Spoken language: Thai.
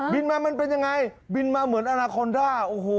มามันเป็นยังไงบินมาเหมือนอนาคอนด้าโอ้โห